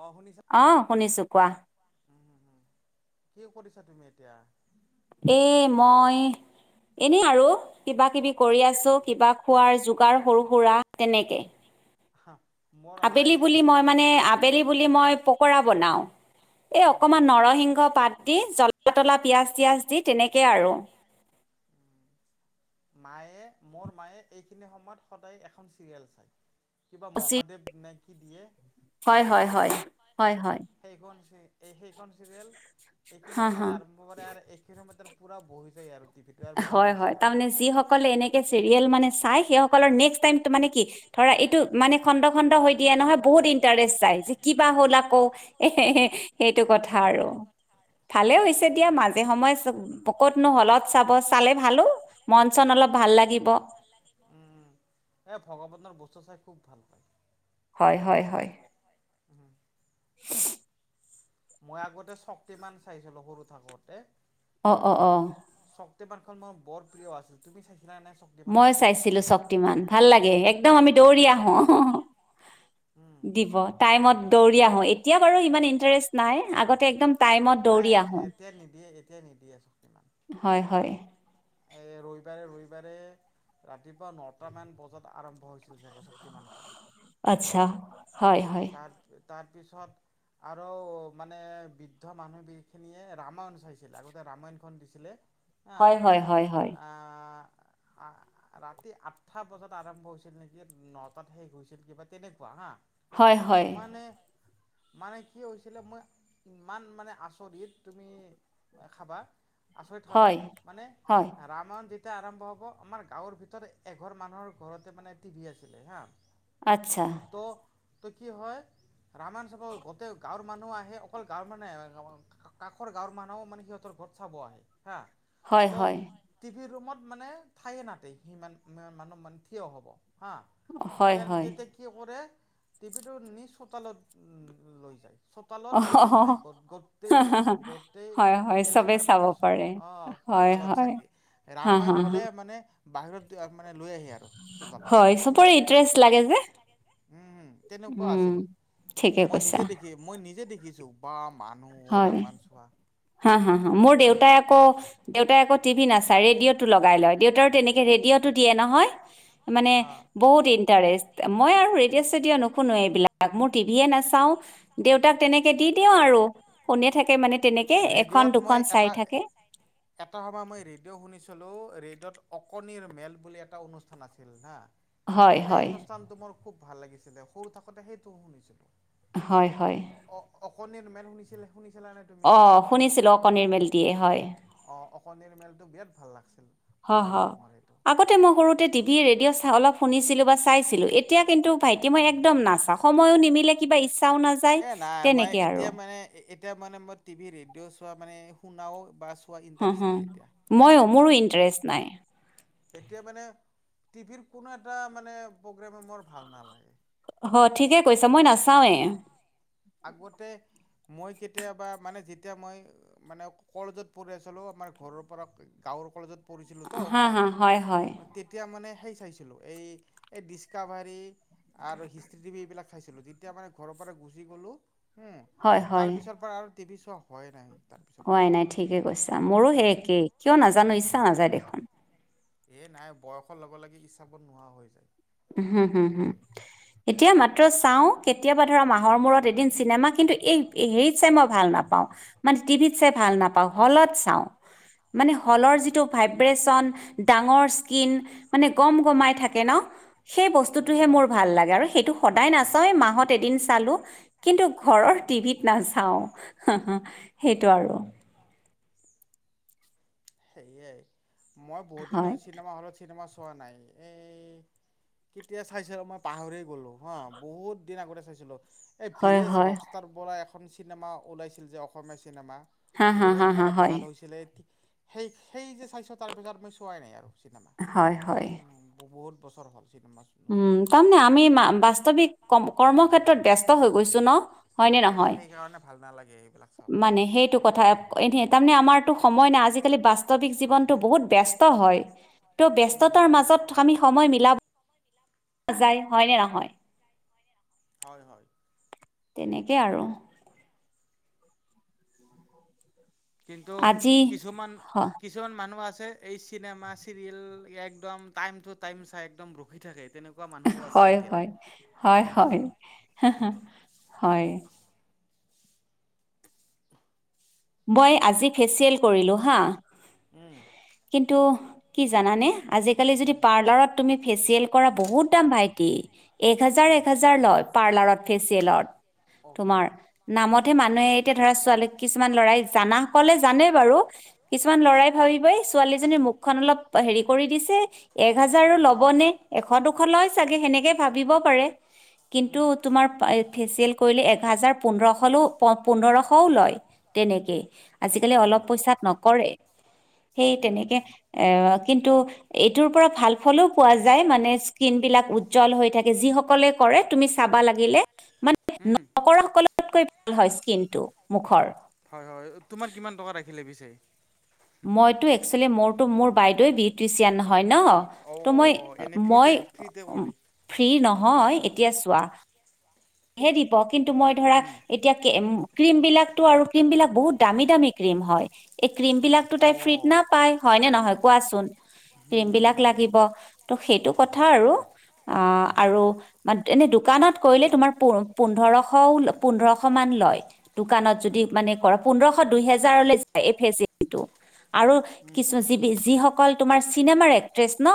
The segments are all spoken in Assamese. অ শুনিছা অ শুনিছো কোৱা [unintelligible] উম হুম হুম কি কৰিছা তুমি এতিয়া। এ মই। এনে আৰু কিবা-কিবি কৰি আছো কিবা খোৱাৰ যোগাৰ সৰু সুৰা তেনেকে হা। মোৰ আবেলি মায়ে বুলি মই মানে আবেলি বুলি মই পকৰা বনাওঁ। এই উম অকণমান নৰসিংহ পাত দি জ্বলা-তলা পিয়াঁজ-চিয়াঁজ দি তেনেকেই আৰু। [inaudible] মায়ে মোৰ মায়ে এইখিনি সময়ত সদায় এখন চিৰিয়েল চায়। কিবা মহাদেৱ নে কি দিয়ে। হা হয়-হয়-হয়। হয়-হয় সেইখন এই সেইখন চিৰিয়েল এইখিনি হা, সময়ত হা, আৰম্ভ কৰে আৰু এইখিনি সময়ত পুৰা বহি যায় আৰু। টিভিটো আৰু বহি গৈছে হয়-হয় তাৰ এতিয়া মানে যিসকলে এনেকে চিৰিয়েল মানে চাই সেই সকলৰ নেক্স টাইম মান কি? ধৰা এইটো মানে খণ্ড খণ্ড হৈ দিয়ে নহয় বহুত ইন্টাৰেষ্ট যায়। কিবা হ'ল আকৌ। এ, সেইটো কথা উম আৰু। ভালে হৈছে দিয়া মাজে সময়ে ক'ত উম নোহলত চাব। চালে ভালো মন চন অলপ ভাল লাগিব। এ, ভগৱতৰ বস্তু চাই খুব ভাল পায় হয়, হয়, হয়। উম। [inaudible] মই আগতে শক্তি মান চাইছিলো সৰু থাকোতে। অঁ, অঁ, অ। মই বৰ প্ৰিয় আছিলো তুমি চাই মই চাইছিলো শক্তিমান ভাল লাগে, একদম আমি দৌৰি আহো। উম। দিব টাইমত দৌৰি আহো এতিয়া বাৰু ইমান ইন্টাৰেষ্ট নাই। আগতে একদম টাইমত নাই দৌৰি আহো এতিয়াই নিদিয়ে এতিয়াই নিদিয়ে চক্তিমান। হয় হয় [inaudible] ৰবিবাৰে ৰবিবাৰে ৰাতিপুৱা নটা মান বজাত আৰম্ভ হৈছিল চাগে শক্তিমান খন। আচ্ছা, হয়, হয়। তাৰপিছত আৰু মানে বৃদ্ধ মানুহখিনিয়ে ৰামায়ণ চাইছিলে। আগতে ৰামায়ণখন দিছিলে। হা হয়, হয়, হয়, হয়। আ ৰাতি আঠটা বজাত আৰম্ভ হৈছিল নেকি? নটাত শেষ হৈছিল কিবা তেনেকুৱা হা। হয়, হয়। মানে মানে কি হৈছিলে মই ইমান মানে আচৰিত তুমি খাবা আচৰিত হবা হয় মানে। হয় কায়ণ যেতিয়া আৰম্ভ হ'ব আমাৰ গাঁৱৰ ভিতৰত এঘৰ মানুহৰ ঘৰতে মানে টিভি আছিলে হা। আচ্ছা। তো তো কি হয় ৰামায়ণ চাব গোটেই গাঁৱৰ মানুহ আহে। অকল গাঁৱৰ মানে কাষৰ গাঁৱৰ মানুহও মানে সিহঁতৰ ত চাব আহে। হা হয়, তো হয়। টিভি ৰুমত মানে ঠায়ে নাতে সিমান মানুহ মানে থিয় হ'ব। হা। হয় হয় তেতে কি কৰে? টিপি টো নিজ চোতালত উ লৈ যায়। চোতালত মানে অ চাই গ গোটেই, গোটেই হয় হয় চবে এলেকাৰ চাব মানে চ পাৰে অ। হয়, হয়। চাই হা হা ৰামায়ণ হা হলে মানে বাহিৰত মানে লৈ আহি আৰু। চোতালত হয়, চবৰে ইণ্টাৰেষ্ট লাগে যে। উম'-উম', তেনেকুৱা উম আছিল। ঠিকে মই কৈছা নিজে দেখি মই নিজে দেখিছো বা মান হয়, হা'-হা'-হা', মোৰ দেউতাই আকৌ দেউতাই আকৌ টি ভি নাছাই ৰেডিঅ'টো লগ লয়। দেউতা তেনেকে ৰেডিঅ'টো দিয়ে নহয়? মানে হা বহুত ইন্টাৰেষ্ট। মই আৰু ৰেডিঅ-ছেডিঅ নুশুনো এইবিলাক মোৰ টি বি এ নাচাওঁ দেউতাক তেনেকে দি দিওঁ আৰু শুনে থাকে মানে তেনেকে এখন দুখন চাই থাকে। এটা সময় মই ৰেডিঅ' শুনিছিলো। ৰেডিঅ'ত অকনিৰ মেল বুলি এটা অনুষ্ঠান আছিল হা? সেই হয়'-হয়'। অনুষ্ঠানটো মোৰ খুব ভাল লাগিছিলে সৰু থাকোতে সেইটোও শুনিছিলোঁ। হয়'-হয়'। অ অকণিৰ মেল শুনিছিলে? শুনিছিলানে তুমি অ', শুনিছিলোঁ কণীৰ মিলটিয়ে, হয়। অ অকণিৰ মেলটো বিৰাট ভাল লাগছে। হয়'-হয়', আগতে মই সৰুতে টিভি ৰেডিঅ' অলপ শুনিছিলো বা চাইছিলো, এত এতিয়া কিন্তু ভাইটি মই একদম নাচাওঁ সময়ো নিমিলে কিবা ইচ্ছাও নাযায় এ নাই মই তেনেকে আৰু এতিয়া মানে এতিয়া মানে মই টিভি ৰেডিঅ' চোৱা মানে শুনাও বা চোৱা ইণ্টাৰেষ্ট হুম', নাই এতিয়া ময়ো মোৰো ইণ্টাৰেষ্ট নাই। এতিয়া মানে টি ভি ৰ কোনো এটা মানে প্ৰগ্ৰেম মোৰ ভাল নেলাগে। অ', ঠিকে কৈছা মই নাচাৱেই। আগতে মই কেতিয়াবা মানে যেতিয়া মই মানে কলেজত পঢ়ি আছিলোঁ আমাৰ ঘৰৰ পৰা গাঁৱৰ কলেজত পঢ়িছিলোঁ ত হা মই। হা হয়'- হয়'। মানে সেই চাইছিলো এই ডিচকাভাৰী আৰু হিষ্ট্ৰী টি ভি এইবিলাক খাইছিলো তেতিয়া মানে ঘৰৰ পৰা গুচি গলো। উম', হয় তাৰ পিছৰ পৰা আৰু টিভি চোৱাই হোৱা নাই। তাৰপিছৰ অ', পৰা নাই ঠিকে কৈছা মোৰো সে উম। একেই কিয় নাজানো ইচ্ছা নাযায় দেখোন। এ নাই বয়সৰ লগে-লগে ইচ্ছাবোৰ নোহোৱা হৈ যায়। হম'- হুম'- হুম'। সেইয়ে। এতিয়া মাত্ৰ চাওঁ কেতিয়াবা ধৰা মাহৰ মূৰত এদিন চিনেমা কিন্তু এই হেৰিত চাই মই ভাল নাপাওঁ মানে টিভিত চাই ভাল নাপাওঁ হলত চাওঁ। মানে হলৰ অ'। যিটো ভাইব্ৰেচন, ডাঙৰ স্কিন মানে গম-গমাই থাকে ন? সেই বস্তুটোহে উম। মোৰ ভাল লাগে আৰু সেইটো সদায় নাচায় মাহত এদিন চালো। কিন্তু ঘৰৰ টিভিত নাচাওঁ সেইটো আৰু। সেয়াই মই বহুত দিন হয় চিনেমা হলত চিনেমা চোৱা নাই। এই কেতিয়া চাইছিলো মই পাহৰি গ'লো হ, বহুত দিন আগতে চাইছিলো। এই হয় ভিলেজ হয় ৰকস্তাৰ পৰা এখন চিনেমা ওলাইছিল যে অসমীয়া চিনেমা, হা হা বহুত হা হা মানে হয় ভাল হৈছিলে। সেই-সেই যে চাইছোঁ তাৰপিছত মই চোৱাই নাই আৰু চিনেমা, হয় হয় উম', বহুত বছৰ হ'ল। চিনেমা নোচোৱা উম', তাৰমানে আমি বাস্তৱিক কৰ্ম ক্ষেত্ৰত ব্যস্ত হৈ গৈছো ন? হয় নহয়। সেইকাৰণে ভাল নালাগে সেইবিলাক চাওঁতে মানে সেইটো কথা এনে তাৰমানে আমাৰতো সময় নাই আজি আজিকালি বাস্তৱিক জীৱনতটো বহুত বস্ত হয় ত' ব্যস্ততাৰ মাজত আমি সময় মিলাব যায় হয় নে নহয়? হয়'-হয়'। তেনেকেই আৰু। কিন্তু আজি হয় কিছুমান-কিছুমান মানুহ আছে এই চিনেমা চিৰিয়েল একদম টাইম টো-টাইম চাই একদম ৰখি থাকে তেনেকুৱা মানুহো আছে এতিয়াও উম হয়'-হয়'-হয়'-হয়'-হয়'। মই আজি ফেচিয়েল কৰিলোঁ হা। উম কিন্তু কি জানানে আজিকালি যদি পাৰ্লাৰত তুমি ফেচিয়েল কৰা বহুত দাম ভাইটি। এক হাজাৰ এক হাজাৰ লয় পাৰ্লাৰত ফেচিয়েলত ল'ৰাক দিছে লয়। অকে তোমাৰ নামতে মা। এতিয়া ধৰা ছোৱালীক কিছুমান লৰাই জানা সকলে জানে বাৰু কিছুমান উম। লৰাই ভাবিবই ছোৱালীজনীৰ মুখখন অলপ হেৰি কৰি দিছে এক হাজাৰো ল'বনে এশ দুশ লয় চাগে সেনেকে ভাবিব পাৰে। কিন্তু উম তোমাৰ ফেচিয়েল কৰিলে এক হাজাৰ পোন্ধৰশলৈ পোন্ধৰশও লয়। তেনেকেই আজিকালি উম অলপ পইচাত নকৰে। সেই অ। তেনেকে এ কিন্তু এইটোৰ পৰা ভাল ফলো পোৱা যায় মানে যায় স্কিন। মানে বিলাক স্কিন উজ্জল হৈ থাকে জল হৈ যিসকলে কৰে যায় তুমি কৰে চাবা তুমি লাগিলে চাবা মানে উম। নক সকলতকৈ। হয় স্কিনটো মুখৰ। হয় হয় তোমাৰ কিমান টকা ৰাখিলে পিছে। মইতো একচুৱেলি মোৰো মোৰ বাইদেৱে বিউট্ৰিচিয়ান হয়। ন অ মই এনে মই ফ্ৰীতে ফ্ৰীতে কৰি দি ফ্ৰী নহয়। এতিয়া চোৱা হে দিব কিন্তু মই ধৰা উম এতিয়া কে ক্ৰীম বিলাকতো আৰু ক্ৰীম বিলাক বহুত দামী দামী ক্ৰীম হয় ক্ৰীম বিলাকতো অ তাই ফ্ৰীত না পাই হয় নে নহয় কোৱাচোন। ক্ৰীম হুম বিলাক হুম লাগিব ত' সেইটো। কথা আৰু আ আৰু মা এনেই দোকানত কৰিলে তোমাৰ। পোন্ধৰ পোন্ধৰশান লয় দোকানত যদি হুম মানে পোন্ধৰ। খ দুহেজাৰলে যায় এই ফেচেলটো আৰু হুম যিবি যিসকল তোমাৰ ছি। তিনেমাৰ এক্ট্ৰেছ ন।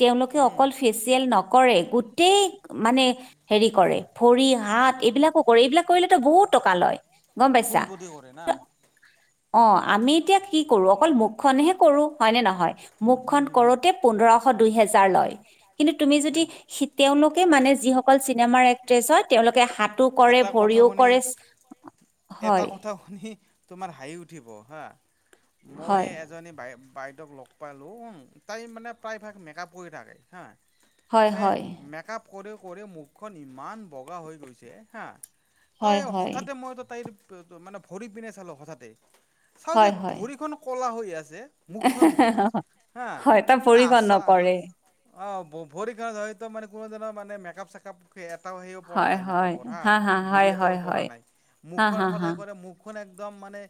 তেওঁলোকে উম উম উম অকল ফেচিয়েল নকৰে গোটেই মানে হেৰি কৰে। ভৰি হাত এইবিলাকো কৰে এইবিলাক কৰিলেতো বহুত টকা লয়। গম পাইছা। ফুল বডি কৰে না অ আমি এতিয়া কি কৰো অকল মুখখনহে কৰো হয়নে নহ। হয় উম হুম মুখন হুম হুম কৰোতে পোন্ধশ দুহেজাৰ লয় কিন্ত তুমি উম সি তেওলোক। কে মানে যিসকল চিনেমাৰ এক্ট্ৰেছ হয় তেওঁলোকে হাত। টো কৰে এটা কথা ভৰিও শুনি কৰে এটা হয়। কথা শুনি তোমাৰ হাঁহি উঠিব হা মই হয় এজনী বাই। বাইদেউক লগ পালোঁ তাই মানে প্ৰায়ভাগ মেকআপ কৰি থাকে হা। হয় মানে হয় মেক আপ কৰে কৰি মুখখন ইমান বগা হৈ গৈছে হা। হয় তাই হয় হঠাতে মইতো তাইৰ মানে ভৰি পিনে চালো হঠাতে। চাও যে হয় হয় ভৰিখন কলা হৈ আছে। মুখখন বগা হা [inaudible] হয় তাৰ মানে ভৰিখন আচা নকৰে অ ভৰি কাৰ হয়তো মানে কোনো ধৰ মানে মেকআপ চেকআপ এটাও সে পৰা হয় নাই মেকপ। হয় পঢ়া হা হা ঘুৰি হয় এটাও হয় পৰা হয় নাই হা মুখখন হা হা সদায় কৰে মুখখন একদম মানে।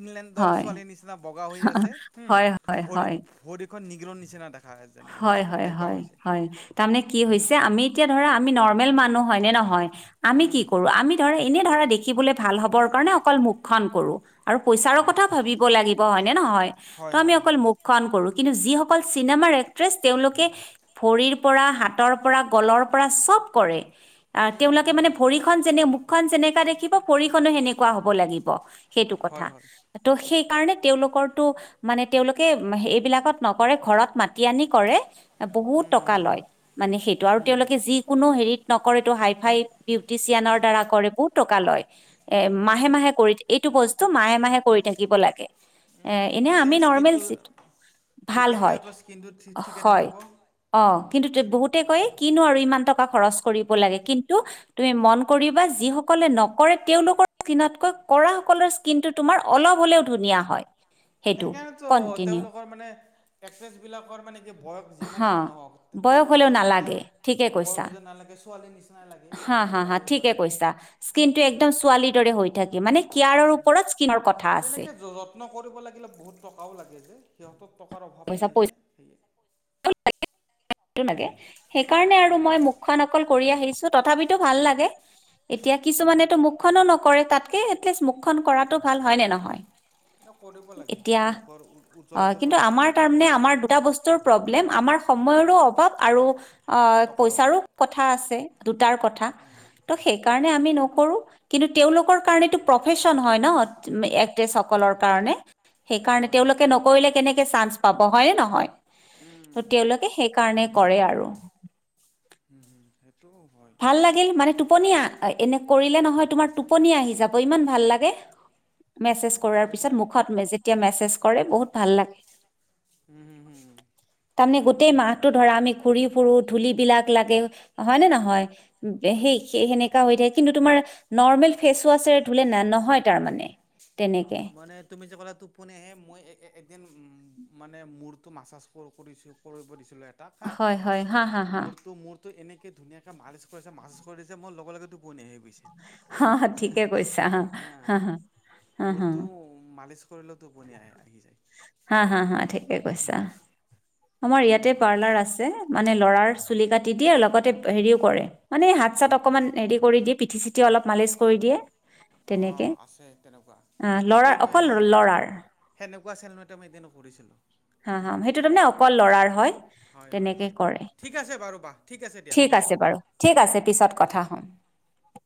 ইংলেণ্ডৰ হয় ছোৱালীৰ নিচিনা বগা হৈ আছে হম হয় হয় ভৰি হয় ভৰিখন নিগৰৰ নিচিনা দে। হয় হয় হয় হয় তাৰানে কি উম হৈছে আমি এতিয়া ধৰা আমি নৰ্মেল মানুহ। হয় নে নহয় আমি কি উম কৰো আমি ধৰা এনে ধৰা দেখি। খিবলৈ ভাল হ'বৰ কাৰণে অকল মুখখন কৰো। আৰু পইচাৰো কথা ভাবিব লাগিব হয়নে নহয় ত' হয় আমি হয় অকল হয় মুখখন কৰো। কিন্তু যিসকল চিনেমাৰে। [inaudible] তেওঁলোকে ভৰিৰ পৰা হাতৰ পৰা গলৰ পৰা চব কৰে। আৰু উম তেওঁলোকে উম মানে উম ভৰিখন যেনে মুখখন যেনেকা দেখিব ভৰি। খনো সেনেকুৱা হ'ব লাগিব সেইটো কথা হয় হয় ত সেই। কাৰণে তেওঁলোকৰো মানে তেওঁলোকে এইবিলাকত নকৰে ঘৰত মাতি আনি কৰে। বহুত উম হুম টকা হুম লয় মানে সেইটো আৰু উম তেওঁলোকে যিকোনো হেৰিত। নকৰে তটো হাই ফাই বিউটিচিয়ানৰ দ্বাৰা কৰে বহুত টকা লয়। এ হয় মাহে দিয়া মাহে কৰি এইটো বস্তু মাহে মাহে কৰি থাকিব লাগে। এ উম এনে আমি তেতিয়াহে নৰ্মেল স্কিনটো ভাল তেতিয়াহে হয়। সিহঁতৰ স্কিনটো ঠিকে হয় থাকিব অ উম কিন্তু বহুতে কয়। কিনো আৰু ইমান টকা খৰচ কৰিব লাগে। কিন্তু তুমি মন কৰিবা যিসকলে নকৰে তেওঁ লোকৰ স্কিনতকৈ কৰাসকলৰ স্কিনটো তোমাৰ অলপ হ'লেও ধুনীয়া হয়। সেইটো সেইকাৰণেতো কন্টিনিউ তেওঁলোকৰ মানে এক্ট্ৰেছবিলাক ৰ মানে কি বয়স যিমানে হা হ- নহওঁক, বয়স হ'লেও তেওঁলোকক মানে নালাগে ঠিকে কৈছা বয়স যেন নালাগে, ছোৱালীৰ নিচিনা হা - হা - হা। ঠিকে কৈছা। স্কিনটো একদম ছোৱালীৰ দৰে হৈ থাকে। মানে কেয়াৰৰ ওপৰত স্কিন তেনেকে যত্ন কৰিব লাগ গিলে বহুত টকাও লাগে যে। সিহঁত টকাৰ অভাৱ পইচা নাই যে, পইচাটো সেয়ে। [inaudible] লাগে। সেইকাৰণে আৰু উম মই মুখখন অকল কৰি আহিছোঁ তথাপিতো ভাল লাগে। এতিয়া উম কিছুমানেতো মুখখনো নকৰে। তাতকে মুখখন কৰাটো ভাল, হয় নে নহয়? ন কৰিব লাগে। এতিয়া মুখৰ অ', উজ্জ্বলতাটো থাকে তেতিয়া লে আমাৰ সময়ৰো অভাৱ আৰু অ' টকাৰ অভাৱ পইচাৰো কথা আছে। দুটাৰ কথা। উম তো সেইকাৰ ণে আমি নকৰোঁ। কিন্তু তেওঁলোকৰ কাৰণেতো প্ৰফেশন হয় ন', এক্ট্ৰেছসকলৰ কাৰণে। সেইকাৰণে হয় তেওঁলোকে নকৰিলে কেনেকে চান্স পাব, হয় নে নহয়? উম তো তেওঁলোকে সেই কাৰণে কৰে আৰু। উম - হুম সেই ভাল লাগিল, মানে টোপনী আ এনে কৰিলে নহয়, তোমাৰ টোপনি আহি যাব, ইমান ভাল লাগে। মেছেজ কৰাৰ হয় পিছত, দিয়া মুখত মে- যেতিয়া মেছেজ কৰে, বহুত ভাল লাগে। ভাল লাগে। উম হুম হুম তাৰমানে গোটেই ম মাহটো ধৰা, আমি ঘুৰি ফুুৰোঁ, ধূলিবিলাক বিলাক লাগে, হয় নে নহয়? উম- সে- সেনেকা হৈ থাকে। কিন্তু তোমাৰ নৰ্মেল ফেচ ৱাছৰে ধুলে ন- নহয় তাৰ মানে। মানে তুমি যে ক'লা, টোপনি আহে। মই এ- একদিন উম মানে মূৰটো মাছাজ কৰ- কৰিছোঁ- কৰিব দিছিলোঁ এ তাক হা। হয় হয় হা হা হা মূৰটো- মূৰ তো এনেকে ধুনীয়াকে মালিছ কৰিছে, মাছাজ কৰিছে, মই লগে - লগে টোপনি আহি গৈ হা - হা, ঠিকে কৈছা। হা - হা, হা -হা, হা। কৰিলে টোপনি আহে- আহি যায়। হা হা হা ঠিকে কৈছা আমাৰ ইয়াতে তেনেকুৱা পাৰ্লাৰ আছে, মানে ল'ৰাৰ চুলি কাটি দিয়ে আৰু লগতে হেৰিও কৰে, মানে হাত-চাত অকমান হেৰি কৰি দিয়ে, পিঠি-চিঠি অলপ মালিচ কৰি দিয়ে। অঁ তেনেকে। আছে তেনেকুৱা অ' তাতে ল'ৰাৰ- মই সেই অকল ল'ৰাৰ। সেনেকুৱা চেলুন এটা মই এদিন কৰিছিলোঁ। হা- হা, সেইটো তাৰমানে অকল ল'ৰাৰ হয়। হয় হয় তেনেকে হয় কৰে। ঠিক আছে বাৰু বা ঠিক আছে দিয়া হ'ব ঠিক দিয়া আছে বাৰু, ঠিক আছে অঁ পিছত কথা হম। [unintelligible]